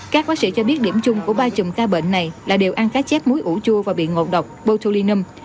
các bác sĩ cho biết điểm chung của ba chùm ca bệnh này là đều ăn cá chép muối ủ chua và bị ngộ độc botutulinum